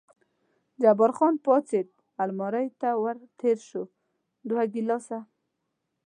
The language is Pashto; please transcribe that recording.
جبار خان پاڅېد، المارۍ ته ور تېر شو، دوه ګیلاسه.